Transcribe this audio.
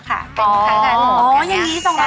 อ๋ออย่างนี้๒๕๐บาทค่ะ